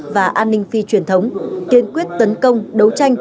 và an ninh phi truyền thống kiên quyết tấn công đấu tranh